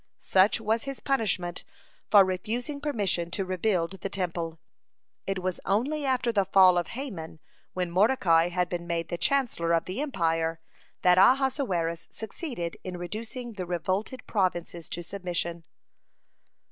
Such was his punishment for refusing permission to rebuild the Temple. It was only after the fall of Haman, when Mordecai had been made the chancellor of the empire, that Ahasuerus succeeded in reducing the revolted provinces to submission.